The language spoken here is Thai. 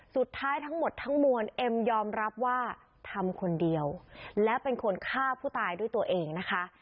ทั้งหมดทั้งมวลเอ็มยอมรับว่าทำคนเดียวและเป็นคนฆ่าผู้ตายด้วยตัวเองนะคะ